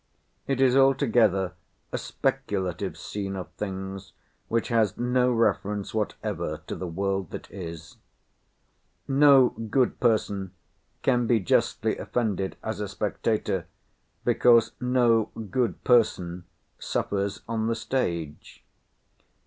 It is altogether a speculative scene of things, which has no reference whatever to the world that is. No good person can be justly offended as a spectator, because no good person suffers on the stage.